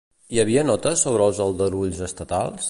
Hi havia notes sobre els aldarulls estatals?